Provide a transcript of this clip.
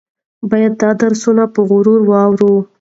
باید دا درسونه په غور واورو.